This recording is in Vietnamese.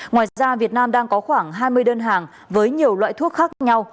ngoài ra việt nam đang có khoảng hai mươi đơn hàng với nhiều loại thuốc khác nhau